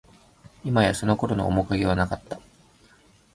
いまや、その頃の面影はなかった